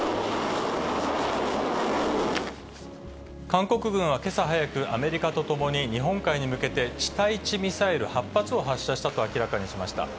韓国軍は今朝早く、アメリカとともに日本海に向けて、地対地ミサイル８発を発射したと明らかにしました。